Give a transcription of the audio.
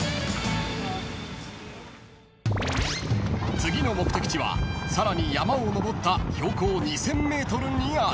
［次の目的地はさらに山を登った標高２，０００ｍにある］